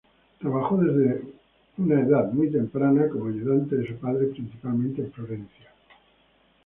Trabajó desde una edad muy temprana como ayudante de su padre principalmente en Florencia.